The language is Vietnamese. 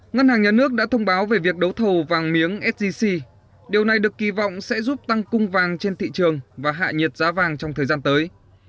ngân hàng nhà nước đã thông báo về việc đấu thầu vàng miếng sgc điều này được kỳ vọng sẽ giúp tăng cung vàng trên thị trường và hạ nhiệt giá vàng trong thời gian tới